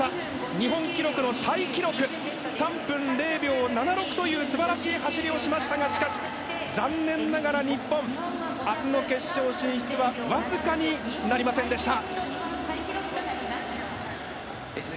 日本記録のタイ記録３分０秒７６という素晴らしい走りをしましたが残念ながら日本、明日の決勝進出はわずかになりませんでした。